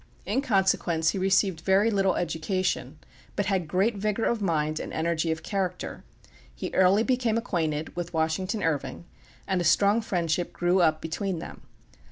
In consequence he received very little education, but had great vigor of mind and energy of character. He early became acquainted with Washington Irving, and a strong friendship grew up between them.